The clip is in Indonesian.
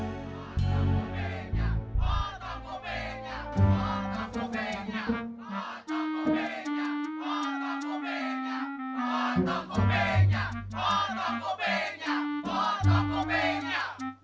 gimana lam hasil keputusan meeting nya